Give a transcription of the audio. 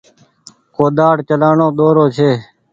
ڪوۮآڙ چلآڻو ڏورو ڇي۔